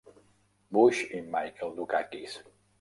Bush i Michael Dukakis.